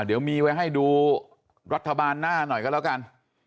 เดี๋ยวมีไว้ให้ดูรัฐบาลหน้าหน่อยก็แล้วกัน